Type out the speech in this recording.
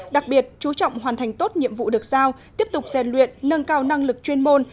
đặc biệt chú trọng hoàn thành tốt nhiệm vụ được giao tiếp tục rèn luyện nâng cao năng lực chuyên môn